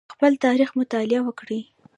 د خپل تاریخ مطالعه وکړئ.